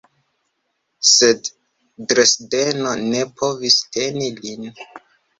Sed Dresdeno ne povis teni lin.